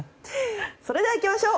それではいきましょう。